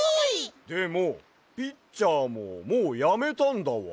でもピッチャーももうやめたんだわ。